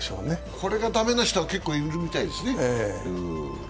これが駄目な人は結構いるみたいですね。